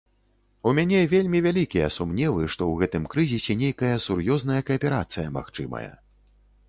У мяне вельмі вялікія сумневы, што ў гэтым крызісе нейкая сур'ёзная кааперацыя магчымая.